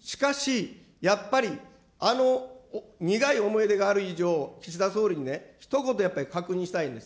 しかし、やっぱりあの苦い思い出がある以上、岸田総理にね、ひと言やっぱり確認したいんです。